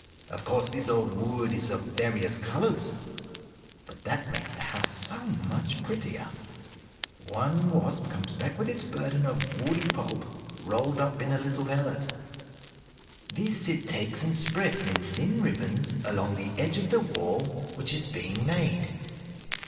Of course this old wood is of various colors, but that makes the house so much the prettier. One wasp comes back with its burden of woody pulp rolled up in a little pellet. This it takes and spreads in thin ribbons along the edge of the wall which is being made.